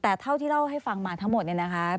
แต่เท่าที่เล่าให้ฟังมาทั้งหมดเนี่ยนะคะ